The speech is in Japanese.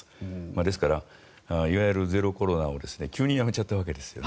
ですから、いわゆるゼロコロナを急にやめちゃったわけですね。